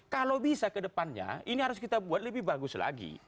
kalau bisa kedepannya ini harus kita buat lebih bagus lagi